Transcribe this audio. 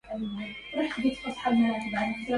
جاهدت في تمهيد حمص راحلا